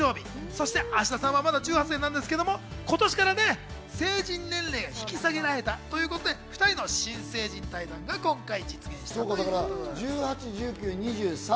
そして芦田さんはまだ１８歳なんですけれども、今年から成人年齢が引き下げられたということで２人の新成人対談が今回実現したということです。